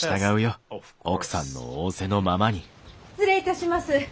失礼いたします。